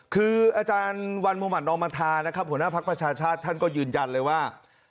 คืออาจารย์วันมุมัตินอมธานะครับหัวหน้าภักดิ์ประชาชาติท่านก็ยืนยันเลยว่า